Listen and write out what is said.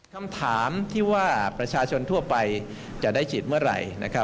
คำถามที่ว่าประชาชนทั่วไปจะได้ฉีดเมื่อไหร่